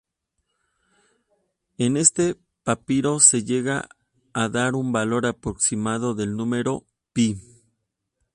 En este papiro se llega a dar un valor aproximado del número pi.